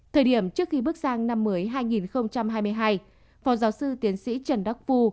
thời điểm trước khi bước sang năm mới hai nghìn hai mươi hai phó giáo sư tiến sĩ trần đắc phu